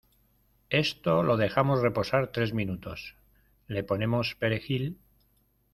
esto lo dejamos reposar tres minutos, le ponemos perejil